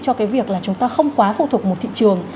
cho cái việc là chúng ta không quá phụ thuộc một thị trường